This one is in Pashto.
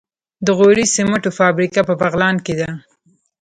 د غوري سمنټو فابریکه په بغلان کې ده.